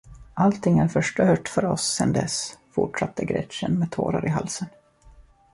Allting är förstört för oss sen dess, fortsatte Gretchen med tårar i halsen.